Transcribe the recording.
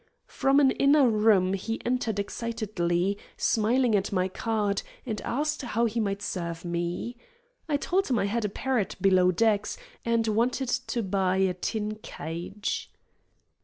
From an inner room he entered excitedly, smiling at my card, and asked how he might serve me. I told him I had a parrot below decks, and wanted to buy a tin cage.